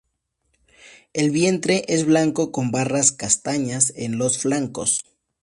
El vientre es blanco con barras castañas en los flancos.